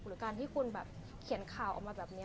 หรือการที่คุณแบบเขียนข่าวออกมาแบบนี้